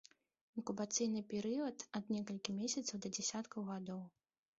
Інкубацыйны перыяд ад некалькіх месяцаў да дзесяткаў гадоў.